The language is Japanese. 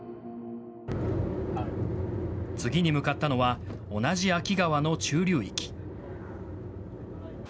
次に向かったのは同じ秋川の中流域。